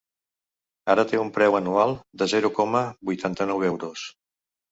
Ara té un preu anual de zero coma vuitanta-nou euros.